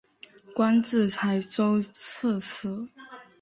官至台州刺史。